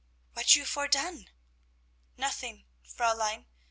What you for done?" "Nothing, Fräulein.